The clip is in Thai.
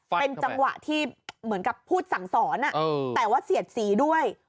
เป็นจังหวะที่เหมือนกับพูดสั่งสอนแต่ว่าเสียดสีด้วย